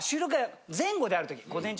前後である時。